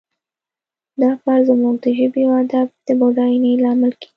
دا کار زموږ د ژبې او ادب د بډاینې لامل کیږي